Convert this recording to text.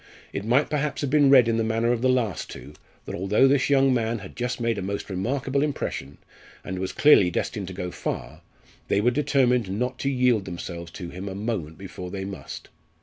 It might perhaps have been read in the manner of the last two, that although this young man had just made a most remarkable impression, and was clearly destined to go far, they were determined not to yield themselves to him a moment before they must.